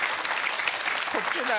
こっちだ。